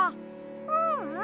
ううん。